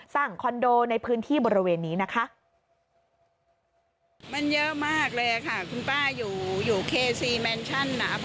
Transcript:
คอนโดในพื้นที่บริเวณนี้นะคะ